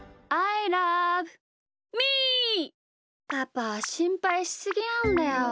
パパしんぱいしすぎなんだよ。